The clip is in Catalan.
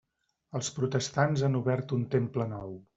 Els protestants han obert un temple nou.